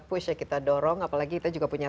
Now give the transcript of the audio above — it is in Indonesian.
push ya kita dorong apalagi kita juga punya